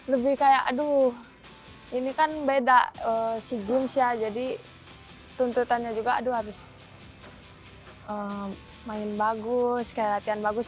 lebih kayak aduh ini kan beda sea games ya jadi tuntutannya juga aduh harus main bagus kayak latihan bagus